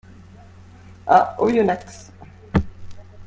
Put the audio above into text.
À Oyonnax.